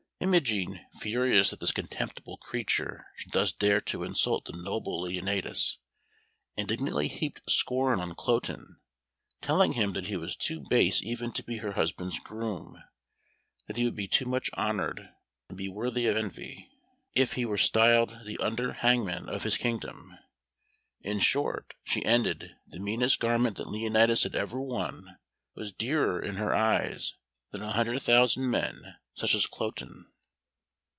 Imogen, furious that this contemptible creature should thus dare to insult the noble Leonatus, indignantly heaped scorn on Cloten, telling him that he was too base even to be her husband's groom; that he would be too much honoured, and be worthy of envy, if he were styled the under hangman of his kingdom. In short, she ended, the meanest garment that Leonatus had ever worn was dearer in her eyes than a hundred thousand men such as Cloten.